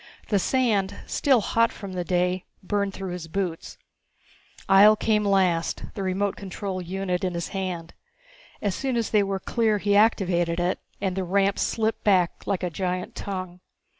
The sand, still hot from the day, burned through his boots. Ihjel came last, the remote control unit in his hand. As soon as they were clear he activated it and the ramp slipped back like a giant tongue.